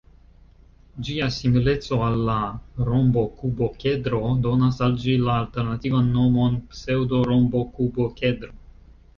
Ĝia simileco al la rombokub-okedro donas al ĝi la alternativan nomon pseŭdo-rombokub-okedro.